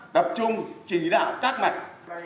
tập trung chỉ đạo các mạch